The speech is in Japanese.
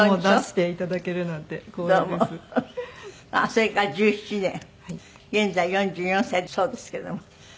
それから１７年現在４４歳だそうですけども。